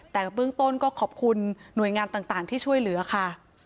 แต่เบื้องต้นก็ขอบคุณหน่วยงานต่างที่ช่วยเหลือค่ะ